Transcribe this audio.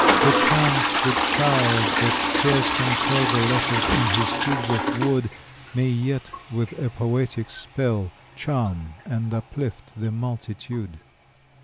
Perchance, the child that scarce can tell The letters on his cubes of wood, May yet with a poetic spell Charm and uplift the multitude.